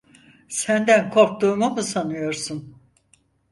Senden korktuğumu mu sanıyorsun?